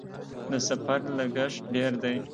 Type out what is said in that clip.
د سفر لګښت ډیر دی؟